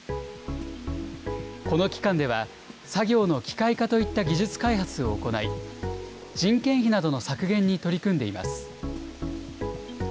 この機関では、作業の機械化といった技術開発を行い、人件費などの削減に取り組んでいます。